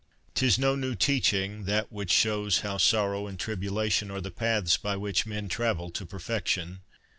Tis no new teaching, that which shows how sorrow and tribulation are the paths by which men travel to perfection.